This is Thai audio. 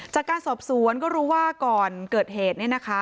จากการสอบสวนก็รู้ว่าก่อนเกิดเหตุ